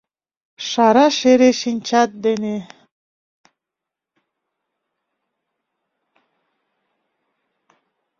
Шара шере шинчат дене